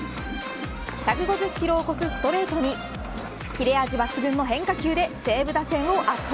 １５０キロを超すストレートに切れ味抜群の変化球で西武打線を圧倒。